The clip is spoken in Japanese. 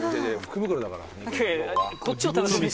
宮田：「こっちを楽しみに」